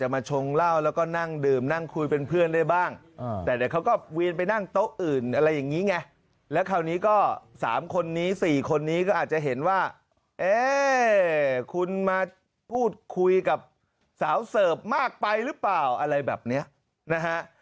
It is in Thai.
บ้างแต่เดี๋ยวเขาก็วีนไปนั่งโต๊ะอื่นอะไรอย่างนี้ไงแล้วคราวนี้ก็สามคนนี้สี่คนนี้ก็อาจจะเห็นว่าเอ๊คุณมาพูดคุยกับสาวเสิร์ฟมากไปหรือเปล่าอะไรแบบเนี้ยนะฮะ